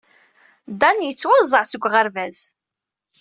Dan yettwaẓẓeɛ seg uɣerbaz.